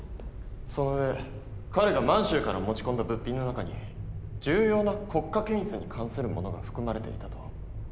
その上彼が満洲から持ち込んだ物品の中に重要な国家機密に関するものが含まれていたと。